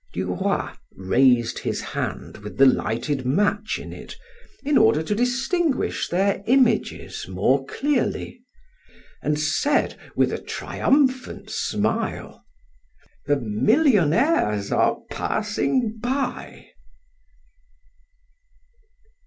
Du Roy raised his hand with the lighted match in it, in order to distinguish their images more clearly, and said, with a triumphant smile: "The millionaires are passing by."